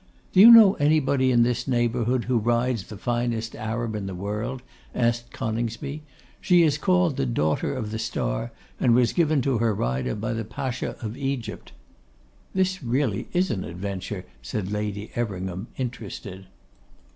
'Do you know anybody in this neighbourhood who rides the finest Arab in the world?' asked Coningsby. 'She is called "the Daughter of the Star," and was given to her rider by the Pacha of Egypt.' 'This is really an adventure,' said Lady Everingham, interested.